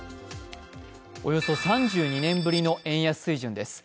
およそ３２年ぶりの円安水準です。